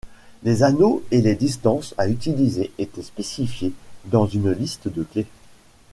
Les anneaux et les distances à utiliser étaient spécifiés dans une liste de clés.